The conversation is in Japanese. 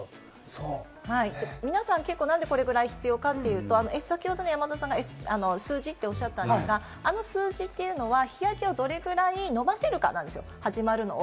皆さん、なぜこれぐらい必要かというと、先ほど山里さんが数字とおっしゃったんですが、あの数字は、日焼けをどれぐらい伸ばせるかなんですよ。